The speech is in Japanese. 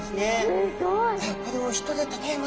すごい。